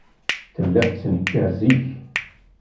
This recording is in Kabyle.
Tella tettenkar zik.